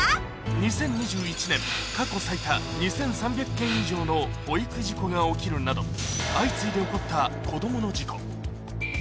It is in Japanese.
２０２１年過去最多２３００件以上の保育事故が起きるなど相次いで起こった子供の事故